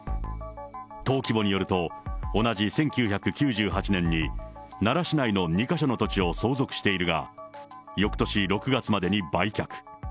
登記簿によると、同じ１９９８年に奈良市内の２か所の土地を相続しているが、よくとし６月までに売却。